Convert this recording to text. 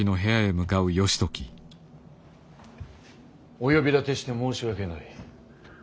お呼び立てして申し訳ない。